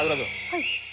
はい。